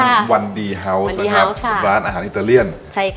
ฮิ้วแห่งร้านวันดีฮาวส์นะครับวันดีฮาวส์ค่ะร้านอาหารอิตาเลียนใช่ค่ะ